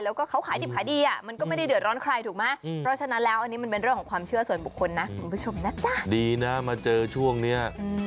แล้วเขาขายดิบขายดี